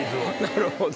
なるほど。